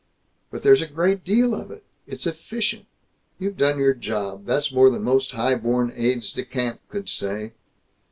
"But there's a great deal of it. It's efficient. You've done your job. That's more than most high born aides de camp could say."